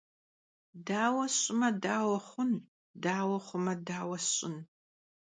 Daue sş'ıme daue xhun, daue xhume daue sş'ın?